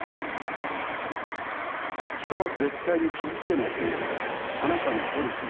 人は絶対に傷つけないというあなたのポリシー。